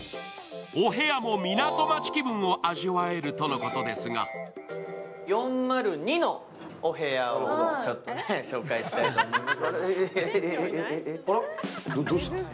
お部屋も港町気分を味わえるとのことですが４０２のお部屋を紹介したいと思います。